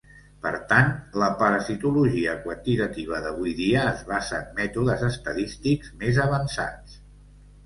Per tant, la parasitologia quantitativa d'avui dia es basa en mètodes estadístics més avançats.